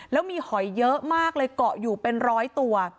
แล้วมีหอยเยอะมากเลยเกาะอยู่เป็นร้อยตัว